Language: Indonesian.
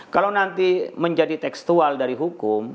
kalau nanti menjadi tekstual dari hukum